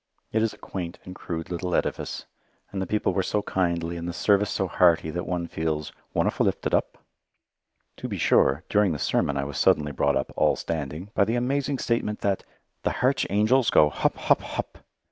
It is a quaint and crude little edifice, and the people were so kindly and the service so hearty that one feels "wonderfu' lifted up." To be sure, during the sermon I was suddenly brought up "all standing" by the amazing statement that the "Harch Hangels go Hup, Hup, Hup."